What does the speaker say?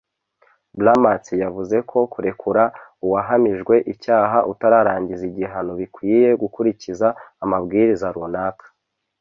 Brammertz yavuze ko kurekura uwahamijwe icyaha utararangiza igihano bikwiye gukurikiza amabwiriza runaka